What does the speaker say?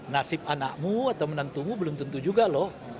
nasib anakmu atau menentumu belum tentu juga loh